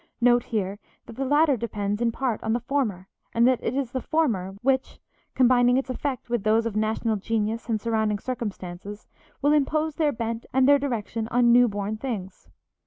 Note here that the latter depends in part on the former, and that it is the former, which, combining its effect with those of national genius and surrounding circumstances, will impose their bent and their direction on new born things.